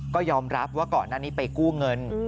ก็ยอมรับว่าก่อนหน้านี้ไปกู้เงิน